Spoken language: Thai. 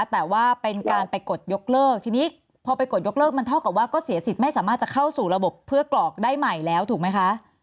แต่ว่าเป็นการไปกดยกเลิกทีนี้พอไปกดยกเลิกมันเท่ากับว่าก็เสียสิทธิ์ไม่สามารถจะเข้าสู่ระบบเพื่อกรอกได้ใหม่แล้วถูกไหมคะ